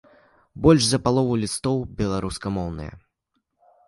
Больш за палову лістоў беларускамоўныя.